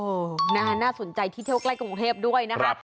โอ้น่าสนใจที่เที่ยวกล้ายกับกรุงเทพด้วยนะครับ